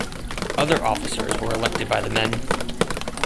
Other officers were elected by the men.